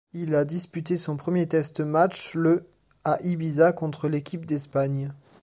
Il a disputé son premier test match le à Ibiza contre l'équipe d'Espagne.